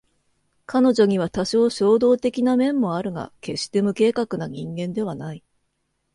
彼女には多少衝動的な面もあるが決して無計画な人間ではない